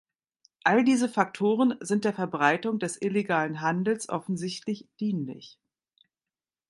All diese Faktoren sind der Verbreitung des illegalen Handels offensichtlich dienlich.